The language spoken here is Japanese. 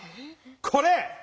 これ！